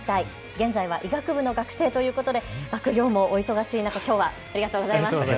現在は医学部の学生ということで学業もお忙しい中、きょうはありがとうございます。